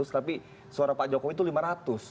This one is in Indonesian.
tapi suara pak jokowi itu lima ratus